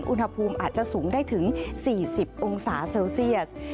อุณหภูมิอาจจะสูงได้ถึง๔๐องศาเซลเซียส